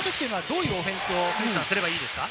そういったときはどういうオフェンスをすればいいですか？